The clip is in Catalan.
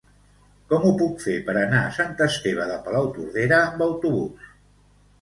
Com ho puc fer per anar a Sant Esteve de Palautordera amb autobús?